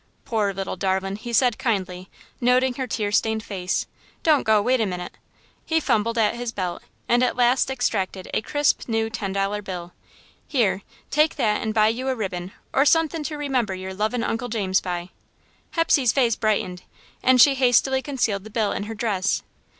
"Pore little darlin'," he said, kindly, noting her tear stained face. "Don't go wait a minute." He fumbled at his belt and at last extracted a crisp, new ten dollar bill. "Here, take that and buy you a ribbon or sunthin' to remember your lovin' Uncle James by." Hepsey's face brightened, and she hastily concealed the bill in her dress.